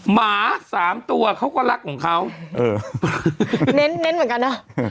หมาสามตัวเขาก็รักของเขาเออเน้นเน้นเหมือนกันนะ